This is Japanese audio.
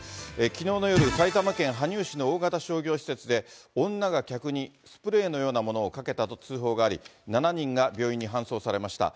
きのうの夜、埼玉県羽生市の大型商業施設で、女が客にスプレーのようなものをかけたと通報があり、７人が病院に搬送されました。